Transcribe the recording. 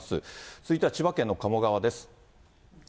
続いては千葉県の鴨川です。